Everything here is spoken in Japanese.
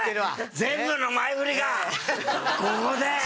全部の前振りがここで！